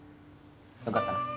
よかったな。